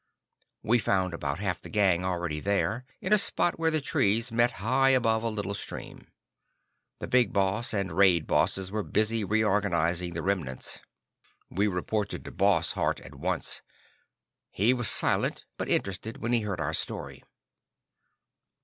We found about half the Gang already there, in a spot where the trees met high above a little stream. The Big Boss and Raid Bosses were busy reorganizing the remnants. We reported to Boss Hart at once. He was silent, but interested, when he heard our story.